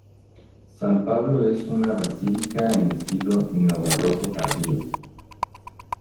San Pablo es una basílica en estilo neobarroco tardío.